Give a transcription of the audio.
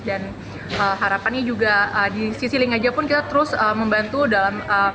dan harapannya juga di sisi linkaja pun kita terus membantu dalam